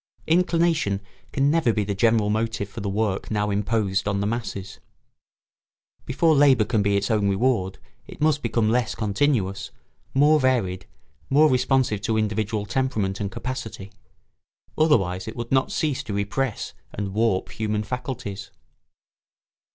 Inclination can never be the general motive for the work now imposed on the masses. Before labour can be its own reward it must become less continuous, more varied, more responsive to individual temperament and capacity. Otherwise it would not cease to repress and warp human faculties.